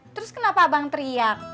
terus kenapa abang teriak